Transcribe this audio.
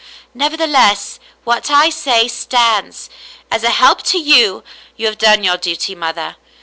Nevertheless, what I say stands. As a help to you —" "You have done your duty, mother.